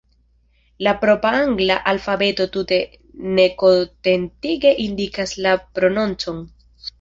La propra angla alfabeto tute nekontentige indikas la prononcon.